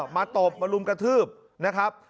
ตบมาลุมกระทืบนะครับ